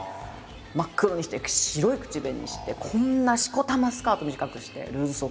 真っ黒にして白い口紅してこんなしこたまスカート短くしてルーズソックスはくっていう。